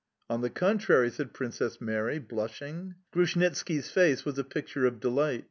"On the contrary"... said Princess Mary, blushing. Grushnitski's face was a picture of delight.